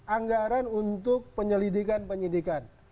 anggaran untuk penyelidikan penyelidikan